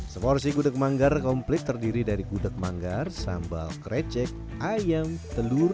seporsi gudeg manggar komplit terdiri dari gudeg manggar sambal krecek ayam telur